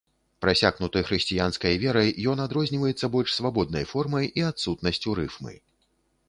Прасякнуты хрысціянскай верай, ён адрозніваецца больш свабоднай формай і адсутнасцю рыфмы.